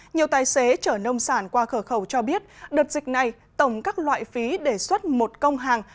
nhiều tài xế chở nông sản qua cửa khẩu cho biết đợt dịch này tổng các loại phí để xuất một công hàng